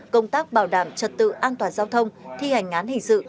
công tác bảo đảm trật tự an toàn giao thông thi hành án hình sự